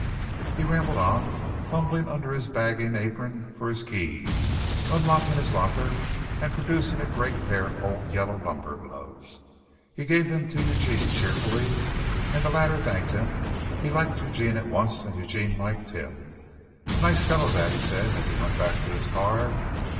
He rambled on, fumbling under his bagging apron for his keys, unlocking his locker and producing a great pair of old yellow lumber gloves. He gave them to Eugene cheerfully and the latter thanked him. He liked Eugene at once and Eugene liked him. "A nice fellow that," he said, as he went back to his car.